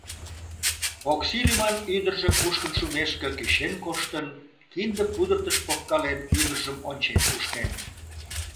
Окси лӱман ӱдыржӧ кушкын шумешке кӱчен коштын, кинде пудыртыш погкален, ӱдыржым ончен-куштен.